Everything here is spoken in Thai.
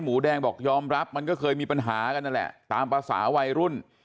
หมูแดงบอกยอมรับมันก็เคยมีปัญหากันนั่นแหละตามภาษาวัยรุ่น